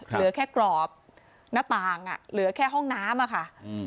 เหลือแค่กรอบหน้าต่างอ่ะเหลือแค่ห้องน้ำอะค่ะ